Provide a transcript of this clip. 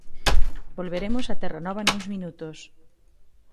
Volveremos a Terra Nova nuns minutos.